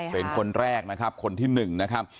เป็นคนแรกนะครับคนที่๑นะครับ